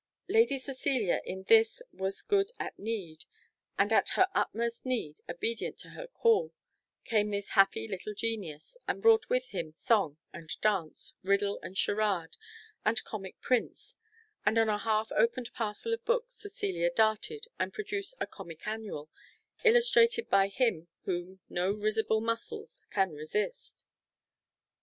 Lady Cecilia in this was good at need, and at her utmost need, obedient to her call, came this happy little genius, and brought with him song and dance, riddle and charade, and comic prints; and on a half opened parcel of books Cecilia darted, and produced a Comic Annual, illustrated by him whom no risible muscles can resist.